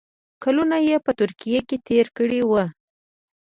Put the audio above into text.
کلونه یې په ترکیه کې تېر کړي وو.